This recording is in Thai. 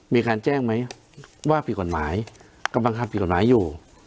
มีการแจ้งไหมว่าผิดกฎหมายกำลังทำผิดกฎหมายอยู่